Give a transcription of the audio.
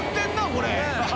これ。